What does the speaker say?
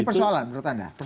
ini persoalan menurut anda